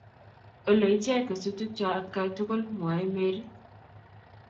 olei ichek kesutikcho atkai tugul, mwoei Mary